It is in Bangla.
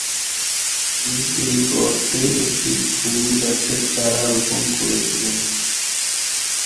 তিনি এই গর্তে একটি ফুল গাছের চারা রোপণ করেছিলেন।